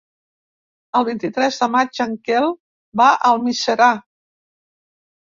El vint-i-tres de maig en Quel va a Almiserà.